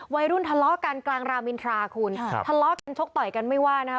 วัยรุ่นทะเลาะกันกลางรามอินทราคุณครับทะเลาะกันชกต่อยกันไม่ว่านะคะ